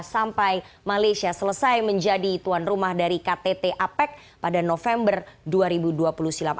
sampai malaysia selesai menjadi tuan rumah dari ktt apec pada november dua ribu dua puluh silam